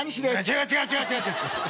違う違う違う違う！